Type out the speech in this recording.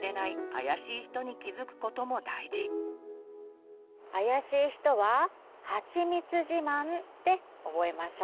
あやしい人は「はちみつじまん」で覚えましょう。